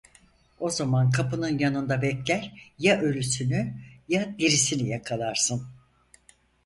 O zaman kapının yanında bekler, ya ölüsünü, ya dirisini yakalarsın…